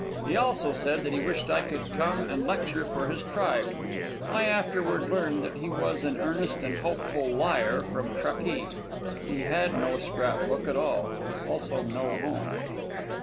He also said that he wished I would come and lecture for his tribe. I afterward learned that he was an earnest and hopeful liar from Truckee. He had no scrap book at all. Also no home.